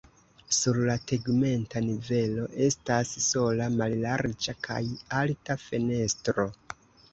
Sur la tegmenta nivelo estas sola mallarĝa kaj alta fenestro.